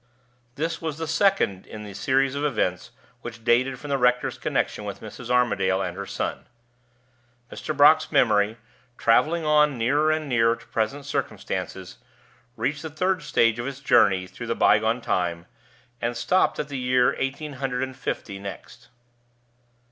This was the second in the series of events which dated from the rector's connection with Mrs. Armadale and her son. Mr. Brock's memory, traveling on nearer and nearer to present circumstances, reached the third stage of its journey through the by gone time, and stopped at the year eighteen hundred and fifty, next.